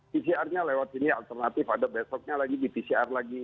pcr nya lewat sini alternatif ada besoknya lagi di pcr lagi